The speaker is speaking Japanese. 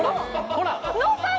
ほら！